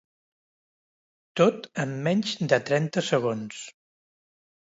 Tot en menys de trenta segons.